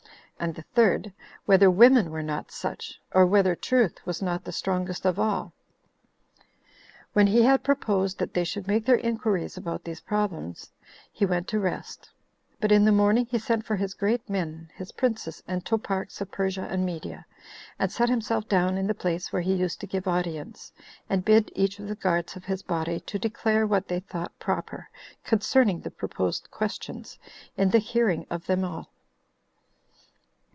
"and the third, "Whether women were not such? or whether truth was not the strongest of all?" When he had proposed that they should make their inquiries about these problems, he went to rest; but in the morning he sent for his great men, his princes, and toparchs of Persia and Media, and set himself down in the place where he used to give audience, and bid each of the guards of his body to declare what they thought proper concerning the proposed questions, in the hearing of them all.